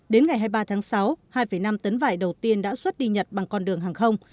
đến ngày hai mươi ba tháng sáu hai năm tấn vải đầu tiên đã xuất đi nhật bằng con đường hàng không